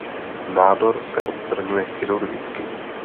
Nádor se odstraňuje chirurgicky.